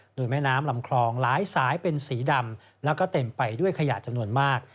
โดยแม่น้ำลำคลองหลายสายเป็นสีดำแล้วก็เต็มไปด้วยขยะจำนวนมาก